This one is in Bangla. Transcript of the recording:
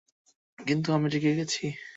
কিন্তু, আমি রেগে গেছি!